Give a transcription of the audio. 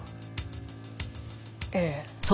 ええ。